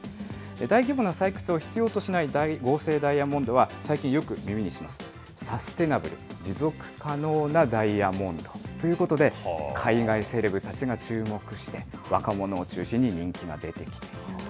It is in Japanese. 大規模な採掘を必要としない合成ダイヤモンドは、最近よく耳にします、サステナブル・持続可能なダイヤモンドということで、海外セレブ達が注目して、若者を中心に人気が出てきていると。